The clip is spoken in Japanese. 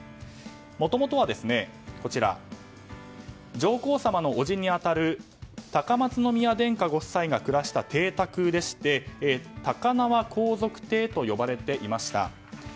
もともとは上皇さまのおじにあたる高松宮殿下ご夫妻が暮らした邸宅でして高輪皇族邸と呼ばれていました。